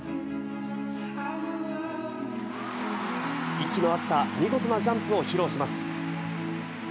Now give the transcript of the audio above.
息の合った見事なジャンプを披露します。